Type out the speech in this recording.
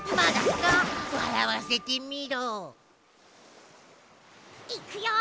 わらわせてみろ。いくよ。